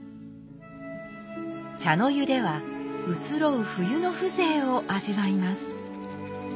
茶の湯では移ろう冬の風情を味わいます。